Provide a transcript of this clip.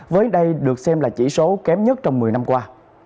với đây được xem là chỉ số kém nhất trong một mươi năm qua